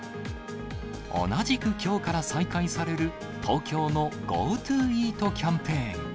同じくきょうから再開される、東京のＧｏＴｏＥａｔキャンペーン。